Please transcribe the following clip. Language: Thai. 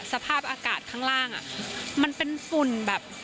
สภาพอากาศข้างล่างมันเป็นฝุ่นแบบ